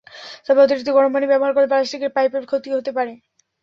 তবে অতিরিক্ত গরম পানি ব্যবহার করলে প্লাস্টিকের পাইপের ক্ষতি হতে পারে।